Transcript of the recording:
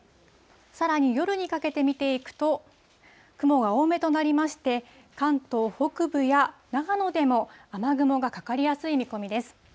さらに夜にかけて見ていくと、雲が多めとなりまして、関東北部や長野でも、雨雲がかかりやすい見込みです。